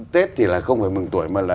tết thì là không phải mừng tuổi mà là